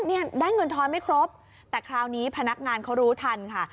เนี่ยได้เงินทอนไม่ครบแต่คราวนี้พนักงานเขารู้ทันค่ะ